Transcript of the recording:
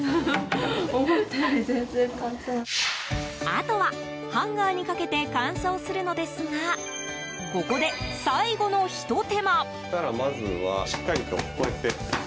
あとはハンガーにかけて乾燥するのですがここで、最後のひと手間。